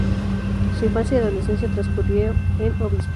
Su infancia y adolescencia transcurrió en Obispos.